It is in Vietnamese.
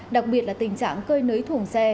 đặc biệt là tình trạng cơi nới thùng xe